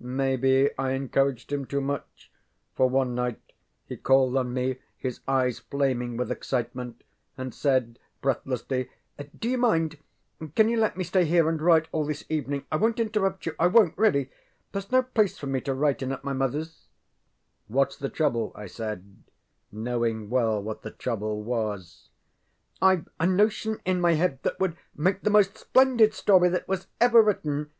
ŌĆØ Maybe I encouraged him too much, for, one night, he called on me, his eyes flaming with excitement, and said breathlessly: ŌĆ£Do you mind can you let me stay here and write all this evening? I wonŌĆÖt interrupt you, I wonŌĆÖt really. ThereŌĆÖs no place for me to write in at my motherŌĆÖs. ŌĆØ ŌĆ£WhatŌĆÖs the trouble? ŌĆØ I said, knowing well what that trouble was. ŌĆ£IŌĆÖve a notion in my head that would make the most splendid story that was ever written.